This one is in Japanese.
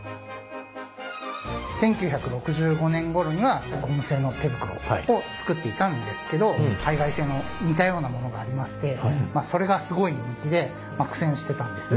１９６５年ごろにはゴム製の手袋を作っていたんですけど海外製の似たようなものがありましてそれがすごい人気で苦戦してたんです。